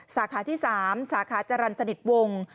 สาขาที่๓สาขาจรรย์สนิทวงศ์